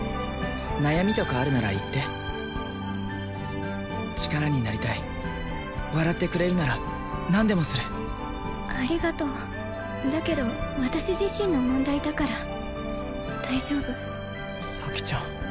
悩みとかあるなら言って力になりたい笑ってくれるなら何でもするありがとうだけど私自身の問題だから大丈夫咲ちゃん